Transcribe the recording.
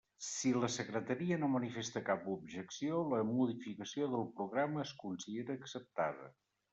Si la Secretaria no manifesta cap objecció, la modificació del programa es considera acceptada.